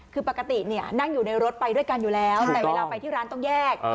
คือปกตินั่งอยู่ในรถไปด้วยกันอยู่แล้วแต่เวลาไปที่ร้านต้องแยก